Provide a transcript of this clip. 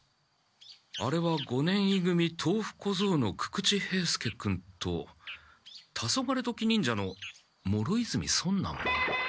あれは五年い組豆腐小僧の久々知兵助君とタソガレドキ忍者の諸泉尊奈門。